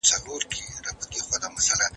قمري په خپله مښوکه کې وچ لرګی کلک نیولی و.